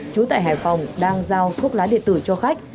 trú tại hải phòng đang giao thuốc lá điện tử cho khách